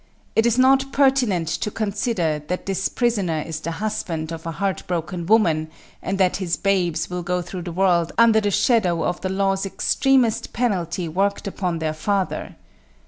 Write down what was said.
It is not pertinent to consider that this prisoner is the husband of a heartbroken woman and that his babes will go through the world under the shadow of the law's extremest penalty worked upon their father.